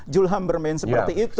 julham bermain seperti itu